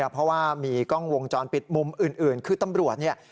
เพราะว่ามีกล้องวงจรปิดมุมอื่นคือตำรวจเนี่ย